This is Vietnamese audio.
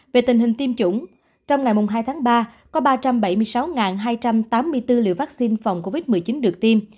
về tình hình tiêm chủng trong ngày hai tháng ba có ba trăm bảy mươi sáu hai trăm tám mươi bốn liều vaccine phòng covid một mươi chín được tiêm